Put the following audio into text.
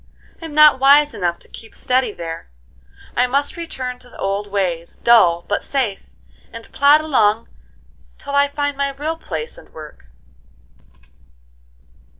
I'm not wise enough to keep steady there; I must return to the old ways, dull but safe, and plod along till I find my real place and work."